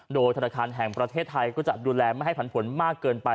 โดยธนาคารแห่งประเทศไทยก็จะดูแลไม่ให้ผันผลมากเกินไป